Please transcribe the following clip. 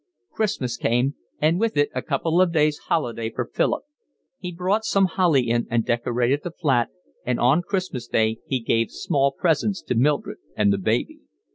Christmas came, and with it a couple of days holiday for Philip. He brought some holly in and decorated the flat, and on Christmas Day he gave small presents to Mildred and the baby.